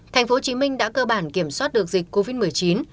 tp hcm đã cơ bản kiểm soát được dịch covid một mươi chín